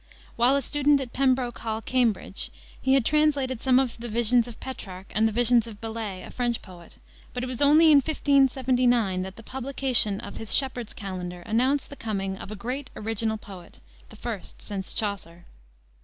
While a student at Pembroke Hall, Cambridge, he had translated some of the Visions of Petrarch, and the Visions of Bellay, a French poet, but it was only in 1579 that the publication of his Shepheard's Calendar announced the coming of a great original poet, the first since Chaucer.